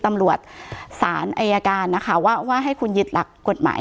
ตำรวจสารอายการนะคะว่าให้คุณยึดหลักกฎหมาย